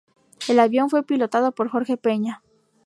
El avión fue pilotado por Jorge Peña.